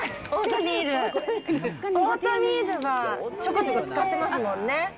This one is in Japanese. オートミールはちょこちょこ使ってますもんね。